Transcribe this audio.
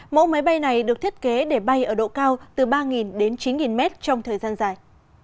mẫu máy bay này được thiết kế để bay ở độ cao từ ba đến chín mét trong thời gian dài